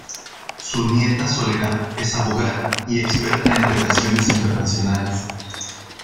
Su nieta Soledad es abogada y experta en relaciones internacionales.